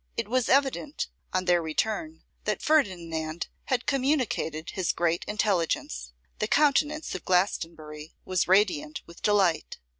It was evident, on their return, that Ferdinand had communicated his great intelligence. The countenance of Glastonbury was radiant with delight.